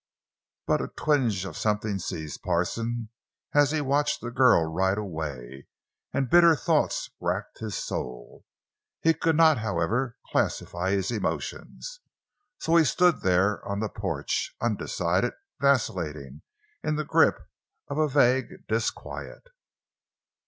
But a twinge of something seized Parsons as he watched the girl ride away, and bitter thoughts racked his soul. He could not, however, classify his emotions, and so he stood there on the porch, undecided, vacillating, in the grip of a vague disquiet.